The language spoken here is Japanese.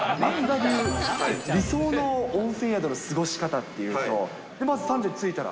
理想の温泉宿の過ごし方っていうと、まず３時に着いたら。